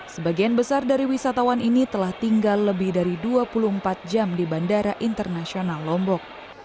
sebagian besar dari wisatawan ini telah tinggal lebih dari dua puluh empat jam di bandara internasional lombok